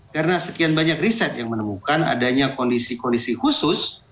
karena sekian banyak riset yang menemukan adanya kondisi kondisi khusus